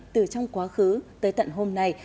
từ trong quá khứ tới tận hôm nay